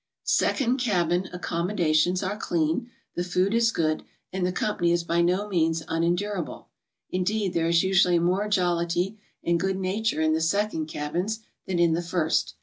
Second cabin accommodations are clean, the food is good, and the company is by no means unendurable. In deed, there is usually more jollity and good nature in the 41 HOW TO GO. second cabin than in the first.